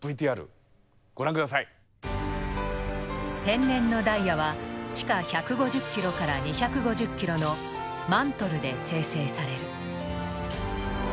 天然のダイヤは地下１５０ｋｍから２５０ｋｍのマントルで生成される。